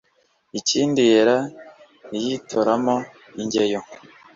Inkindi yera iyitonamo ingeyo